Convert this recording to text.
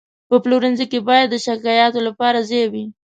په پلورنځي کې باید د شکایاتو لپاره ځای وي.